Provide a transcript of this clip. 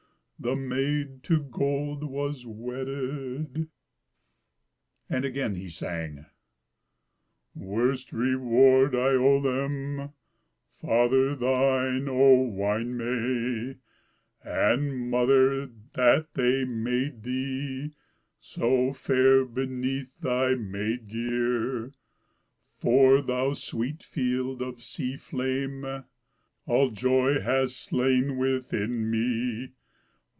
The maid to gold was wedded." And again he sang: "Worst reward I owe them, Father thine, O wine may, And mother, that they made thee So fair beneath thy maid gear; For thou, sweet field of sea flame, All joy hast slain within me.